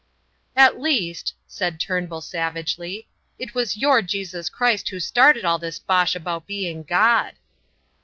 "At least," said Turnbull, savagely, "it was your Jesus Christ who started all this bosh about being God."